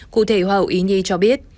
cụ thể hoa hậu ý nhi cho biết